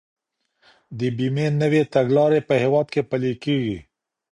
د بيمې نوي تګلارې په هيواد کي پلي کيږي.